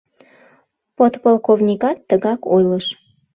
«Подполковникат тыгак ойлыш...